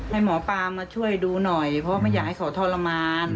ให้หมอปลามาช่วยดูหน่อยเพราะไม่อยากให้เขาทรมาน